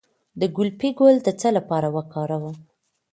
د ګلپي ګل د څه لپاره وکاروم؟